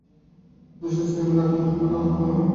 Me স্যামের আগমন-সংবাদে আমি খুবই আনন্দিত।